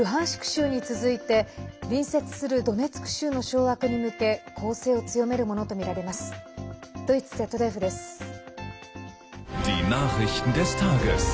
州に続いて隣接するドネツク州の掌握に向け攻勢を強めるものとみられます。